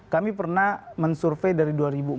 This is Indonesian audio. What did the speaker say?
kami pernah men survey dari dua ribu empat belas